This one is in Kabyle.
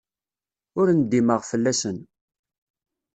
Ur ndimeɣ fell-asen.